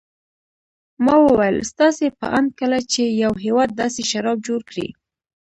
ما وویل: ستاسې په اند کله چې یو هېواد داسې شراب جوړ کړي.